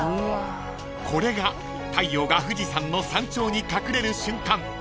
［これが太陽が富士山の山頂に隠れる瞬間